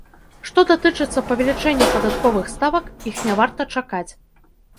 Што датычыцца павелічэння падатковых ставак, іх не варта чакаць.